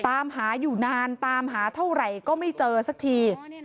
ตามหาอยู่นานตามหาเท่าไหร่ก็ไม่เจอสักที